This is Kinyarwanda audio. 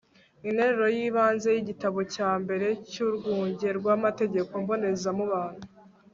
interuro y'ibanze y'igitabo cya mbere cy'urwunge rw'amategeko mbonezamubano